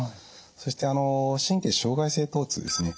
そして神経障害性とう痛ですね。